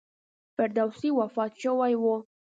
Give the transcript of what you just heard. فردوسي وفات شوی و.